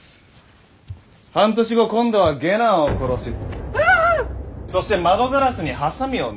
半年後今度は下男を殺しそして窓ガラスにはさみを投げつけた。